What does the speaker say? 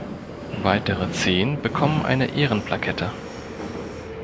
Weitere zehn bekommen eine Ehren-Plakette.